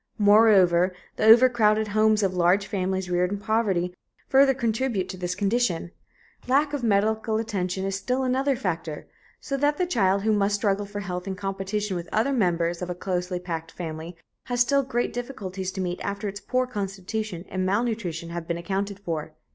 Moreover, the overcrowded homes of large families reared in poverty further contribute to this condition. Lack of medical attention is still another factor, so that the child who must struggle for health in competition with other members of a closely packed family has still great difficulties to meet after its poor constitution and malnutrition have been accounted for.